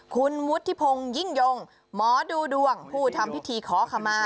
คุณวุฒิพงศ์ยิ่งยงหมอดูดวงผู้ทำพิธีขอขมา